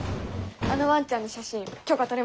あのワンちゃんの写真許可とれました。